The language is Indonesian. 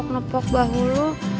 gue mau nepok nepok bahu lo